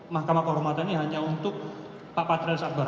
mahkamah kehormatan ini hanya untuk pak patril sabar